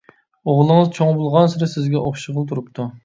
ئوغلىڭىز چوڭ بولغانسېرى سىزگە ئوخشىغىلى تۇرۇپتۇ.